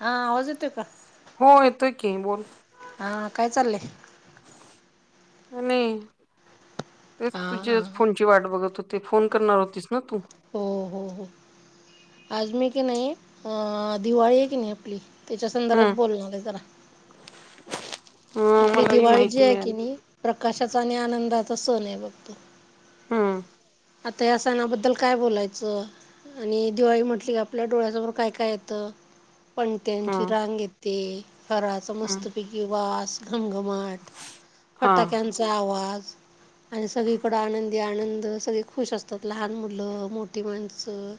हा आवाज येतोय का? हो येतोय की, बोल. हा. काय चाललेय? नाही तेच हा हा तुझ्याच फोनची वाट बघत होते, फोन करणार होतीस ना तू. हो, हो, हो आज मी की नाइ अ दिवाळीय की नाई आपली त्याच्या संदर्भात हम् बोलणारय जरा आपली मला ही दिवाळी जी माहिती य की मिळाली नी प्रकाशाचा आणि आनंदाचा सणय बग्त हा. आता या सणाबद्दल काय बोलायचं? आणि दिवाळी म्हटली की आपल्या डोळ्यासमोर काय काय येतं? पणत्याची हम्म रांग येते फराळाचा हम्म, मस्तपैकी वास. घमघमाट हा फटाक्यांचा आवाज आणि सगळीकड आनंदी आनंद सगळी खुश असतात लहान मुलं मोठी माणसं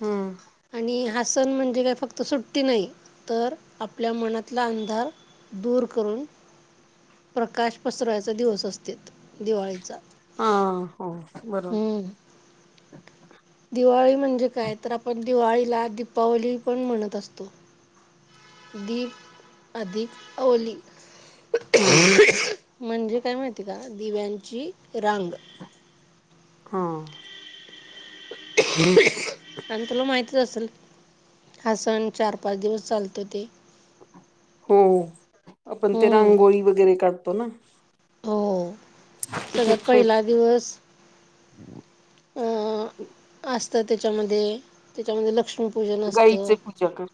हम्म आणि हा सन म्हणजे काय फक्त सुट्टी नाही तर आपल्या मनातला अंधार दूर करून प्रकाश पसरायचा दिवस असतेत दिवाळीचा. हा, हो बरो हम्म दिवाळी म्हणजे काय? तर आपण दिवाळीला दीपावली पण म्हणत असतो. दीप अधिक आवली हा. म्हणजे काय माहिती का दिव्यांची रांग. हा. आणि तुला माहतीच असेल हा सण चार पाच दिवस चालतो ते. हो, आपण ते हम्म. रांगोळी वगैरे काढतो ना. हो. किती सगळ्यात फ्रेश पहिला दिवस अ अस त्याच्यामध्ये, त्याच्यामध्ये लक्ष्मी गाईचे पूजा कर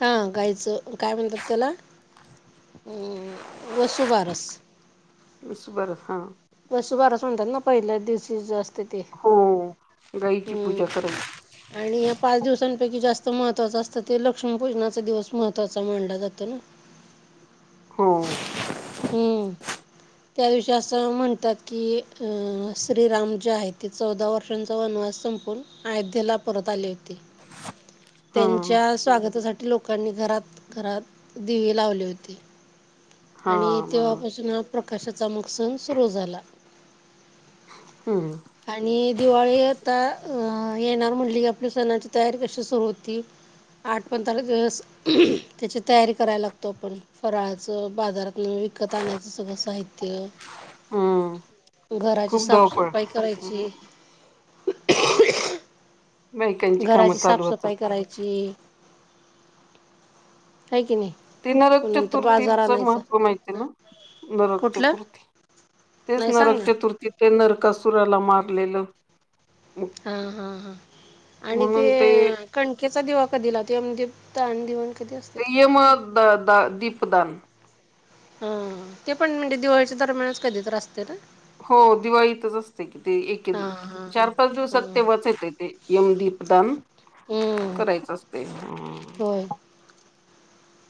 हा गायचं काय म्हणतात त्याला? वसुबारस. बरं हा वसुबारस अस म्हणतात ना पहिल्या दिवशी असतं ते हो गाईची पूजा करायची आणि पाच दिवसां पैकी जास्त महत्वाच असतं ते लक्ष्मीपूजनाचा दिवस महत्त्वाचा मानला जातो ना? हो. हम्म त्या दिवशी असं म्हणतात की अ श्रीराम जे आहे ते चौदा वर्षांचा वनवास अयोध्येत परत आली होते, त्यांच्या स्वागतासाठी लोकांनी घरात, घरात दिवे लावले होते. हा आणि बरोबर तेव्हापासून हा प्रकाशाचा मग सन सुरू झाला. हम्म आणि दिवाळी आता अ येणार म्हटली की आपली सणाची तयारी कशी सुरू होती आठ पंधरा दिवस त्याची तयारी करायला लागतो आपण फराळाच बाजार विकत आणायचं सगळं साहित्य, हम्म घराची खूप धावपळ साफसफ काय करायची हम्म, बायकांची कामं घराची चालू होतात साफसफाई करायची आहे की नाही ते नरक मग नंतर बाजार चतुर्थीच आणायचा महत्त्व माहिती ना? नरक कुठलं चतुर्थी तेच नाही सांग नरक ना चतुर्थी ते नरकासुराला मारलेलं. हा, हा, हा आणि ते कण केचा दिवा कधी लावते कधी असते ते यम द दा दीप दान हा ते पण म्हणजे दिवाळीच्या दरम्यानच कधी तर असतय ना? हो, दिवाळीतच असतय की. ते एके हा हा चार पाच हा दिवसात हा ते वाचत आहे. ते यम दीपदान. हम्म करायचं असते. हम् होय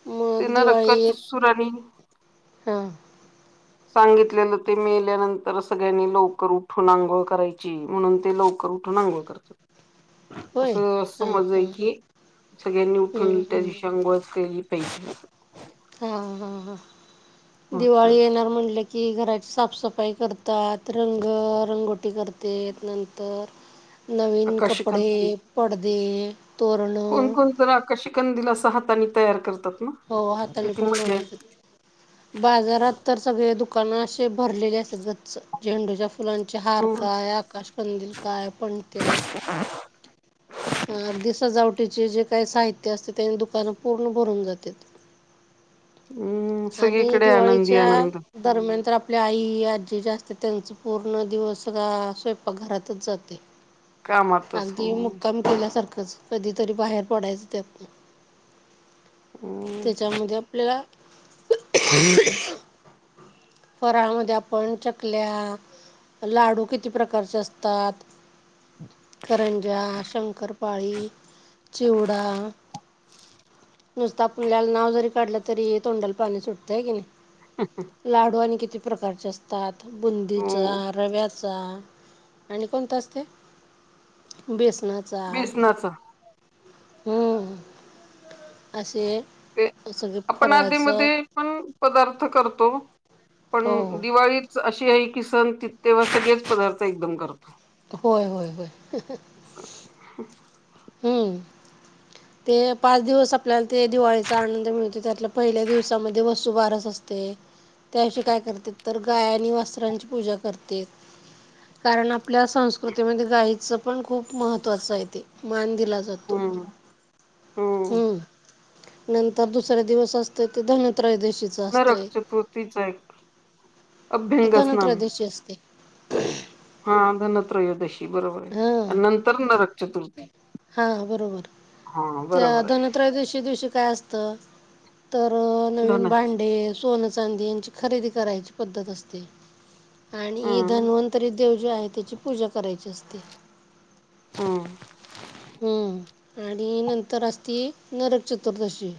मग त्यांना दिवाळी [unintelligible] येत सुरानी हा. सांगितलेलं. ते मेल्यानंतर सगळ्यांनी लवकर उठून आंघोळ करायची, म्हणून ते लवकर लवकर उठून अंघोळ करतात. तर होय असं हां समजल, हां की सगळ्यांनी हां उठून त्या दिवशी अंघोळच केली पाहिजे. हा हा ह महत्व दिवाळी येणार म्हनल की घराची साफसफाई करता तात रंग, रंगोटी करते, नंतर नवीन आकाशी कपडे, पडदे, तोरणं कोणकोण जरा, आकाशकंदील अस हातानी तयार करतात. ना हो हाताने किती पण मजा येते बनवतात बाजारात तर सगळे दुकानं अशी जे भरले असतात. गच्चं, झेंडूच्या फुलांचे हार हो काय, आकाशकंदील काय, पणत्या अ अगदी सजावट चे, जे जे काही साहित्य असते, त्याने दुकानं पूर्ण भरून जातात. हम्म आणि सगळीकडे आनंदी दिवाळीच्या आनंद दरम्यान, तर आप आपल्या आई, आजी जास्त त्यांच पूर्ण दिवस स्वयंपाकघरातच जातोय. कामातच हो अगदी मुक्काम केल्यासारखेच. कधीतरी बाहेर पडायचं त्यातन, हम्म त्याच्यामध्ये आपल्याला [inaudible] फराळामध्ये आपण, चकल्या, लाडू, किती प्रकारचे असतात. करंजा, शंकरपाळी, चिवडा, नुसत आपल्याला नाव जरी काढलं तरी तोंडाल पाणी सुटतय, हाय कि नाय. हु हु. लाडू आणि किती प्रकारचे असतात. हो बुंदीचा, रव्या चा आणि कोणत असते बेस णाचा बेसनाचा हम्म. असे ते सगळे आपण फराळाचं आधी-मध्ये पण पदार्थ करतो. पण हो दिवाळीच अशी आहे की, सण तीत तेव्हा सगळेच पदार्थ एकदम करतो. होय होय होय. [inaudible] हम्म. ते पाच दिवस आपल्याला ते दिवाळीचा आनंद मिळतो. त्यातला पहिल्या दिवसामध्ये वसूबारस असते. ते त्यादिवशी काय करतात तर गायआनी वासरांची पूजा करतेत. कारण आपल्या संस्कृतीमध्ये गाईचं पण खूप महत्त्वाचं आहेे ते. मान दे ला गतो हम्म हो हम्. नंतर दुसरा दिवस असतो, ते धन त्रयदशीचा नरक असतोय. चतुर्थीचा एक अभ्यंग स्नान धनत्रयोदशी असते. हा धन -त्रयोदशी बरोबर आहे. हा आणि नंतर नरक चतुर्थी. हा बरोबर हा त्या बरोबर आहे धनत्रयोदशी च्या दिवशी काय असतं तर धन नविन भांडे, सोनं, चांदी याची खरेदी करायची पद्धत असते.. आणि' हम्म धन्वंतरी देव' जे आहे त्याची पूजा करायची असते. हम. हम्म आणि नंतर असती' नरक चतुर्दशी'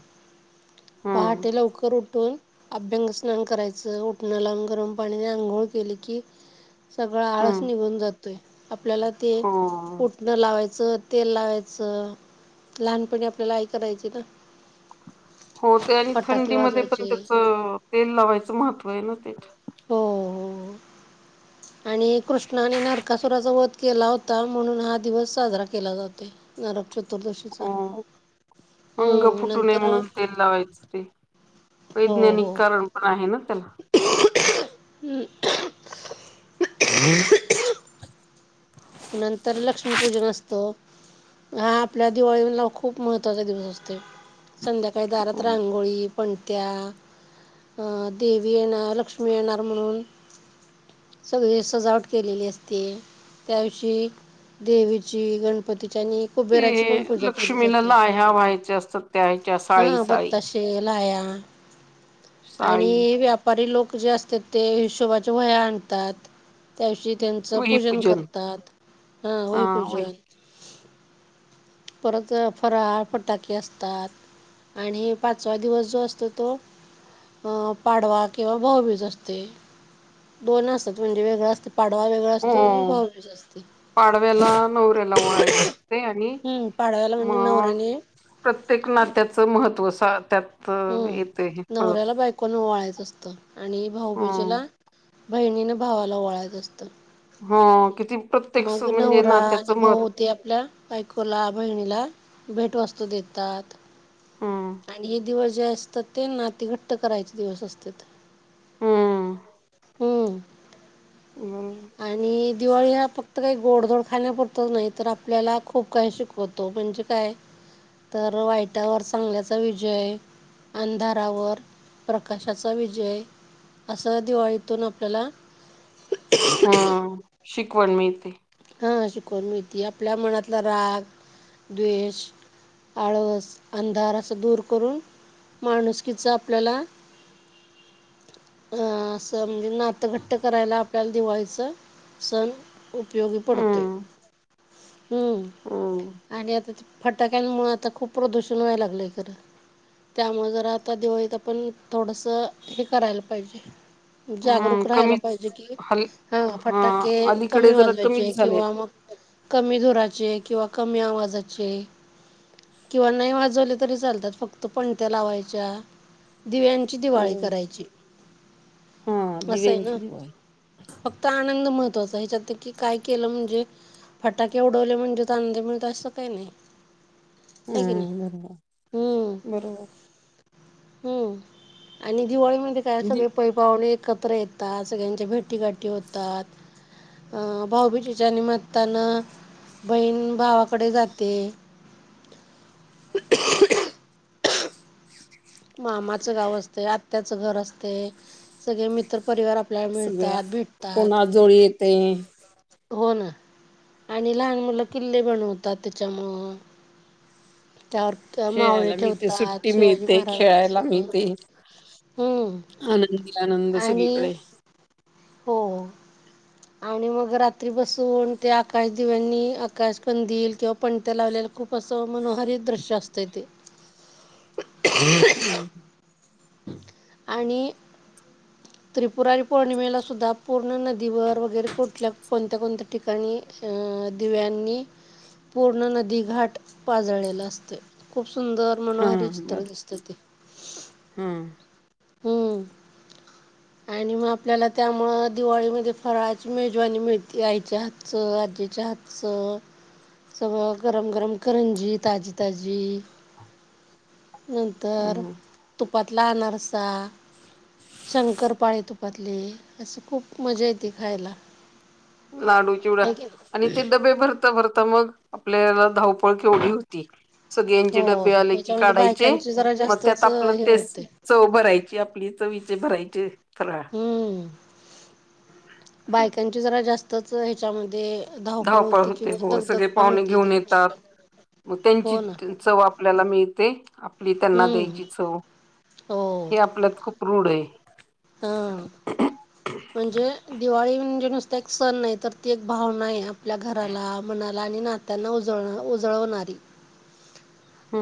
हम्म पहाटे लवकर उठून अभ्यंग स्नान करायच, उठनं लावून गरम पाण्याने आंघोळ केले की सगळं आळस हम्म निघून जातोय आपल्याला ते हो उठणं लावायचं तेल लावायचं लहानपणी आपल्याला आई करायची ना हो ते आणि फटाके थंडीमध्ये पण वाजवायचे त्याचं तेल लावायचं महत्त्व आहे ना ते हो हो आणि कृष्ण आणि नरकासुराच वध केला होता म्हणून हा दिवस साजरा केला जातो नरकच हो अंग हम्म फुटू नये नंतर म्हणून तेल लावायचं ते हो वैज्ञानिक हो कारण पण आहे ना त्याला [inaudible] नंतर लक्ष्मीपूजन असतो. हा आपल्या दिवाळीला खूप महत्त्वाचा दिवस असतो संध्याकाळी दारात हो रांगोळी पणत्या देवी येणार लक्ष्मी येणार म्हणून सगळी सजावट केलेली असते. त्या दिवशी देवीची गणपती ची आणि ते कुबेराची पण पूजा केली लक्ष्मीला जाते. लाह्या व्हायच्या असतात त्या ह्याच्या हा साळी साळी बताशे लाया आणि साळी व्यापारी लोक जे असतेत ते हिशोबाच्या व्हया आणतात. त्या दिवशी त्यांचं पूजन करतात हा वही पूजन. परत फराळ फटाके असतात. आणि पाचवा दिवस जो असतो तो अ पाडवा किंवा भाऊबीज असते दोन असतात म्हणजे वेगळं असतं. पाडवा वेगळा असतो आणि हो भाउबीज असती. पाडव्याला नवऱ्याला ओवाळायचं असते आणि हम्म पाडव्याला म्हणजे मग नवऱ्याने प्रत्येक नात्याचं महत्त्व त्यात हम् येते हे नवऱ्याला परत बायकोन ओवाळायचं असतं आणि हम्म. भाऊबीजेला बहिणीने भावाला ओवाळायचं असतय. हा मग नवरा आणि भाऊ महत्व ते आपल्या बायकोला बहिणीला भेटवस्तू देतात. हम्म आणि हे दिवस जे असतात ते नाती घट्ट करायचे दिवस असत्यात. हम्म हम बरोबर. आणि दिवाळी हा फक्त काही गोडदोड खाण्यापुरत नाही तर आपल्याला खूप काही शिकवतो. म्हणजे काय? तर वाईटावर चांगल्याचा विजय. अंधारावर प्रकाशाचा विजय. असं दिवाळीतून आपल्याला हम् शिकवण मीळते. हा शिकवन मिळती आपल्या मनातला राग द्वेष आळस अंधार असं दूर करून माणुसकीचा आपल्याला हं अस म्हणजे नातघट्ट करायला आपल्याला दिवाळीच सण उपयोगी पडतोय. हम्म हम्म आणि आता ती फटाक्यांमुळे आता खूप प्रदूषण व्हायला लागलंय खरं. त्यामुळे जरा आता दिवळीत आपण थोडस हे करायला पाहिजे. हम्म जागरूक राहायला पाहिजे कमीच कि हल हा फटटाके अलीकडे कमी जरा वाज वायचे, कमीच झालेत. किवा मग कमी धुराचे किंवा कमी आवाजचे किंवा नाही वाजवले तरी चालतात फक्त पणत्या लावायच्या. दिव्यांची दिवाळी हम्म करायची. हा असं आहे ना दिव्यांची दिवा आहे फक्त आनंद महत्वाचा ह्याच्यात कि काय केलं, म्हणजे फटाके उडवले, म्हणजेच आनंद मिळत, असं काही नाही. आहे की नाही हम्म, हम्म बरोबर. हम्म, आणि दिवाळी म्हणजे काय, दि सगळे पै पाहुणे कपडे येतात. सगळ्यांच्या भेटी गाठी होतात. अं, भाऊबीजीच्या निमित्तानं बहीण भावाकडे जाते. [unintelligible] मामाचं गाव असते, आत्याचं घर असते, सगळे मित्रपरिवार आप सगळ्या कोण आजोळी येतय. हो ना, आणि लहान मुलं किल्ले बनवतात. त्याच्यामुळ. खेळायला मिळते, ठेवतात, सुट्टी शिवाजी मिळते, खेळायला महाराजांचं. मिळते. हम्म. आनंदी आनंद आणि सगळीकडे. हो. आणि मग रात्री बसून ते आकाश दिव्यांनी आकाश कंदील किंवा पणत्या लावलेला खूप प्रसन्न मनोहरी दृश्य असत ते. हा. आणि त्रिपुरारी पौर्णिमेलासुद्धा. पूर्ण नदीवर वगैरे कुठल्या कोणत्या कोणत्या ठिकाणी. दिव्यांनी पूर्ण नदीघाट उजळलेला असते खूप सुंदर मनोहरी चित्र दिसते ते. हम्म हम्म. आणि मग आपल्याला त्यामुळे दिवाळीमध्ये फराळाची मेजवानी मिळते आईच्या हाताच सगळ गरम-गरम करंजी ताजी ताजी. [inaudible] नंतर हम्म तुपातल अनारसा शंकर पाडे तपातली असशी खूप मजा येते खायला. लाडू चिवडा आहे की नाही आणि ते डबे भरता भरत आता मग आपल्याला धावपळ केवढी होती. सगळे यांचे हो डबे आले की त्याच्यामध्ये काढायचे बायकांची जरा मग त्यात जास्तच आपलं हे ते होते चव भरायची आपली चविचे भरायचे फराळ. हम्म बायकांची जरा जास्तच ह्याच्यामध्ये. धावपळ होती होते किंवा हो दगदग सगळे पण पाहुणे होती घेऊन त्यांची येतात पण. मग त्यांची हो ना चव आपल्याला मिळते आपली त्यांना हम्म द्यायची चव हे आपल्यात खूप रूल आहे. हा म्हणजे दिवाळी. म्हणजे नस एक सण आहे तर ती एक भावना आहे आपल्या घराला मनाला आणि नाताला. उजळनारी.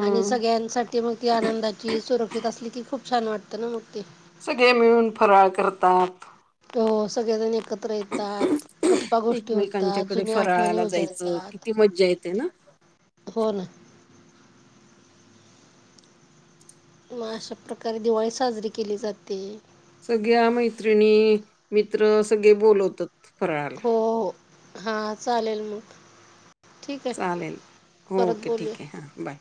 आणि सगळ्यांसाठी मग ती आनंदाची सुरक्षित असली की खूप छान वाटत ना मग ती सगळे मिळून फराळ करतात हो सगळेजण. एकत्र येतात गप्पा गोष्टी होतात एकमेकांच्याकडे जुन्या आठवणी उजळतात. ते ना. हो ना मग अशा प्रकारे दिवाळी साजरी केली जाते. सगळ्या मैत्रिणी. मित्र सगळे बोलवतात फराळाल. हा चालेल मग. ठीक आहे चालेल परत ओके बोलूया. ठीक आहे हां बाय.